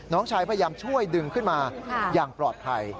น้องชายพยายามช่วยดึงขึ้นมาอย่างปลอดภัย